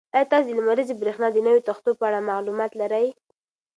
ایا تاسو د لمریزې برېښنا د نویو تختو په اړه معلومات لرئ؟